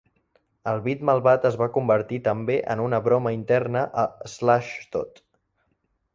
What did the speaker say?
El bit malvat es va convertir també en una broma interna a Slashdot.